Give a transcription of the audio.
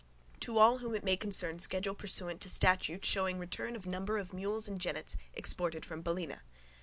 To all whom it may concern schedule pursuant to statute showing return of number of mules and jennets exported from Ballina.